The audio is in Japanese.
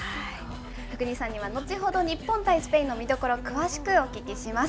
福西さんには後ほど、日本対スペインの見どころ、詳しくお聞きします。